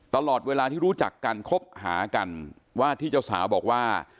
ตลอดเวลาที่รู้จักกันคบหากันว่าที่เจ้าสาวบอกว่า